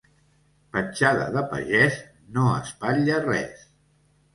Petjada de pagès no espatlla res.